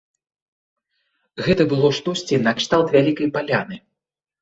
Гэта было штосьці накшталт вялікай паляны.